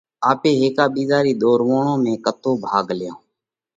آپي هيڪا ٻِيزا رِي ۮوروَوڻ ۾ ڪتو ڀاڳ ليونه؟